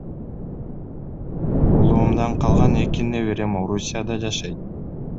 Улуумдан калган эки неберем Орусияда жашайт.